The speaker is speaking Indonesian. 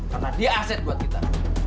karena dia aset buat kita